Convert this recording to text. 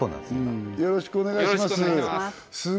今よろしくお願いします